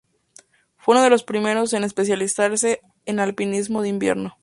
Fue uno de los primeros en especializarse en alpinismo de invierno.